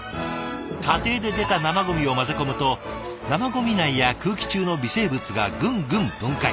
家庭で出た生ゴミを混ぜ込むと生ゴミ内や空気中の微生物がぐんぐん分解。